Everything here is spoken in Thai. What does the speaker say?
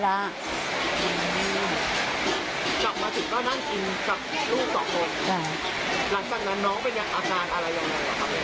หลังจากนั้นน้องเป็นอาการอะไรอย่างไรครับ